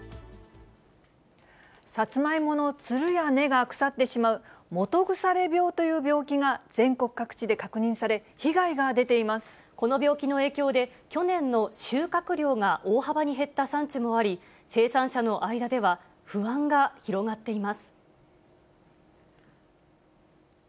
さつまいものつるや根が腐ってしまう基腐病という病気が、全国各地で確認され、被害が出てこの病気の影響で、去年の収穫量が大幅に減った産地もあり、生産者の間では、不安が広がっています。